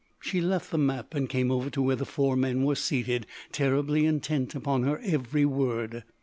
She left the map and came over to where the four men were seated terribly intent upon her every word.